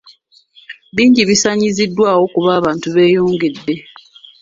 Bingi bisaanyiziddwawo kuba abantu beeyongedde.